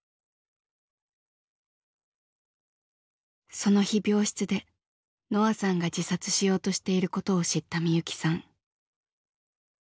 その日病室でのあさんが自殺しようとしていることを知ったみゆきさん。